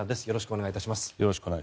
よろしくお願いします。